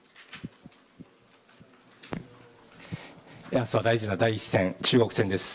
明日は大事な第一戦中国戦です。